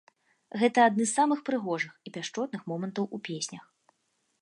Гэта адны з самых прыгожых і пяшчотных момантаў у песнях.